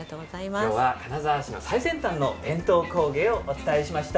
金沢市の最先端の伝統工芸をお伝えしました。